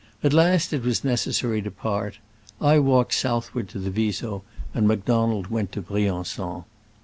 At last it was necessary to part : I walked southward to the Viso, and Macdonald went to Brian9on.